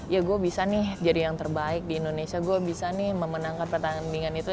ya gue bisa nih jadi yang terbaik di indonesia gue bisa nih memenangkan pertandingan itu